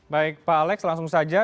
baik pak alex langsung saja